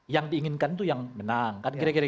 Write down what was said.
yang diinginkan itu yang menang